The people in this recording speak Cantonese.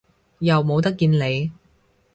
又冇得見你